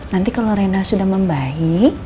nanti kalau rena sudah membaik